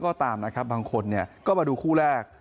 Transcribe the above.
ก็ตามนะครับบางคนเนี่ยก็มาดูคู่แรก